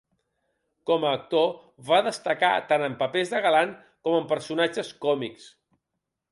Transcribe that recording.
Com a actor va destacar tant en papers de galant com en personatges còmics.